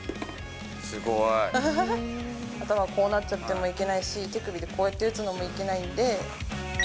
こうなっちゃってもいけないし、手首でこうやって打つのもいけないんで。